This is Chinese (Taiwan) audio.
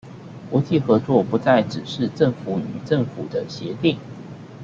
國際合作不再只是政府與政府的協定